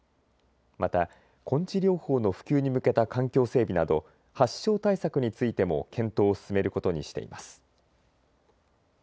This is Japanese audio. また根治療法の普及に向けた環境整備など発症対策についても検討を進めることにしています。